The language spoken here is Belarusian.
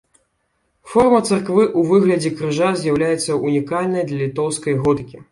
Форма царквы ў выглядзе крыжа з'яўляецца ўнікальнай для літоўскай готыкі.